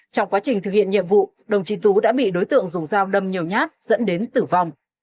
trong quá trình thực hiện nhiệm vụ đồng chí tú đã bị đối tượng dùng dao đâm nhiều nhát dẫn đến tử vong